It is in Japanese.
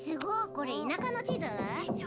これ田舎の地図？でしょ！